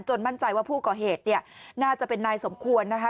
มั่นใจว่าผู้ก่อเหตุเนี่ยน่าจะเป็นนายสมควรนะคะ